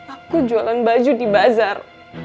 aku jualan baju di bazar